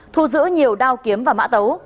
thu giữ nhiều đao kiếm và mã tấu